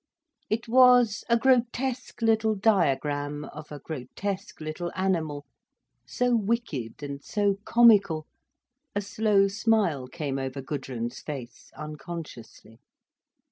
It was a grotesque little diagram of a grotesque little animal, so wicked and so comical, a slow smile came over Gudrun's face, unconsciously.